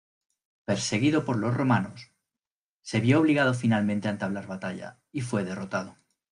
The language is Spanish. Perseguido por los romanos, se vio obligado finalmente a entablar batalla y fue derrotado.